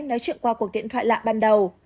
nói chuyện qua cuộc điện thoại lạ ban đầu